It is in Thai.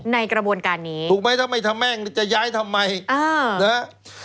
ในกระบวนการนี้ถูกไหมถ้าไม่ทำแม่งจะย้ายทำไมอ่านะฮะ